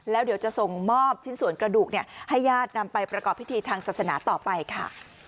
แล้วเดี๋ยวจะส่งมอบชิ้นส่วนกระดูกให้ญาตินำไปประกอบพิธีทางศาสนาต่อไปค่ะ